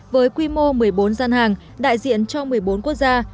với quy mô một mươi bốn gian hàng đại diện cho một mươi bốn quốc gia